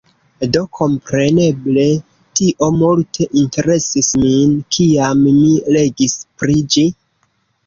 Do kompreneble, tio multe interesis min, kiam mi legis pri ĝi.